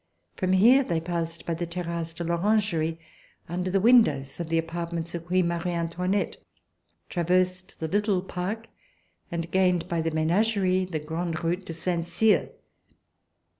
From here they passed by the Terrasse de I'Orangerie, under the windows of the apartments of Queen Marie An toinette, traversed the Little Park and gained, by the Menagerie, the Grande Route to Saint Cyr.